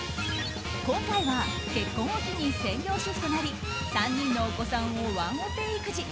今回は結婚を機に専業主婦となり３人のお子さんをワンオペ育児。